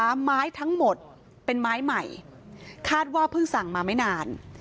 ไม้ทั้งหมดเป็นไม้ใหม่คาดว่าเพิ่งสั่งมาไม่นาน